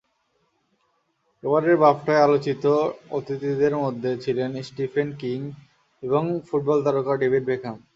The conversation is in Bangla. এবারের বাফটায় আলোচিত অতিথিদের মধ্যে ছিলেন স্টিফেন হকিং এবং ফুটবল তারকা ডেভিড বেকহাম।